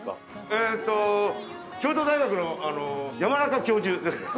えっと京都大学の山中教授ですね。